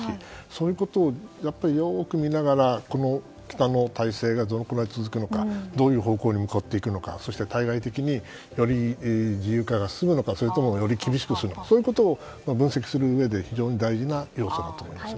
そういうことをよく見ながら北の体制がどのくらい続くのかどういう方向に向かうのかそして対外的により自由化が進むのかそれともより厳しくするのかそういうことを分析する上で非常に大事な要素だと思います。